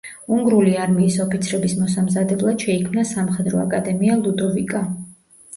უნგრული არმიის ოფიცრების მოსამზადებლად შეიქმნა სამხედრო აკადემია „ლუდოვიკა“.